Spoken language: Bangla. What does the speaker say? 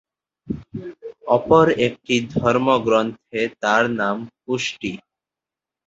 অপর একটি ধর্মগ্রন্থে তার নাম পুষ্টি।